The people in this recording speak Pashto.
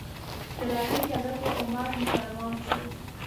تر هغې چې حضرت عمر مسلمان شو.